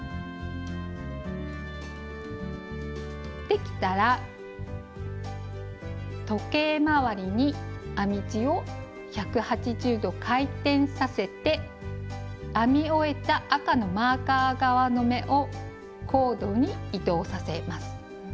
できたら時計回りに編み地を１８０度回転させて編み終えた赤のマーカー側の目をコードに移動させます。